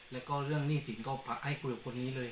แล้วก็เรื่องหนี้สินก็ให้คุยกับคนนี้เลย